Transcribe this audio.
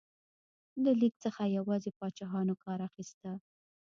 له لیک څخه یوازې پاچاهانو کار اخیسته.